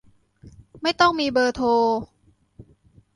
ไม่ต้องมีเบอร์โทร